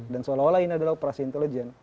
dan seolah olah ini adalah operasi intelijen